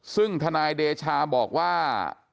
ซึ่งทนายเดชาบอกว่า